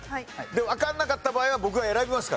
わかんなかった場合は僕が選びますから。